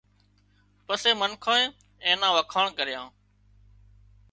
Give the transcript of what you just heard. پسي منکانئي اين نا وکاڻ ڪريان